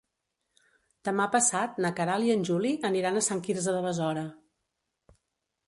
Demà passat na Queralt i en Juli aniran a Sant Quirze de Besora.